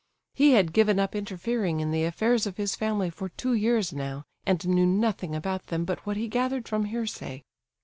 He had given up interfering in the affairs of his family for two years now, and knew nothing about them but what he gathered from hearsay.